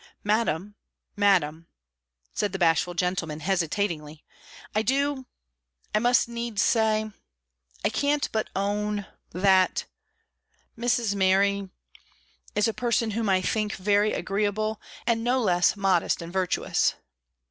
"Madam Madam," said the bashful gentleman, hesitatingly "I do I must needs say I can't but own that Mrs. Mary is a person whom I think very agreeable; and no less modest and virtuous."